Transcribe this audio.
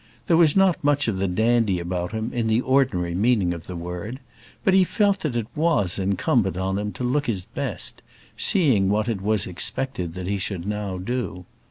There was not much of the dandy about him in the ordinary meaning of the word; but he felt that it was incumbent on him to look his best, seeing what it was expected that he should now do.